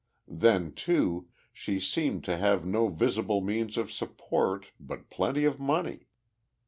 Then, too, she seemed to have no visible means of support, but plenty of money.